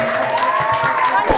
masak apa pak